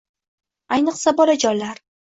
Ayniqsa bolajonlar